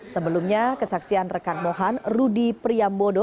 sebelumnya kesaksian rekan mohan rudi priambodo